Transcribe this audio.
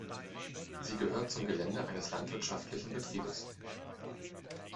Sie gehört zum Gelände eines landwirtschaftlichen Betriebes.